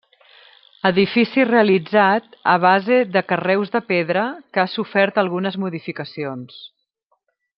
Edifici realitzat a base de carreus de pedra que ha sofert algunes modificacions.